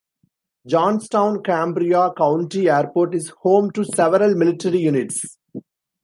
Johnstown-Cambria County Airport is home to several military units.